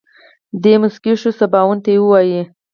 دی موسکی شو سباوون ته ووايه.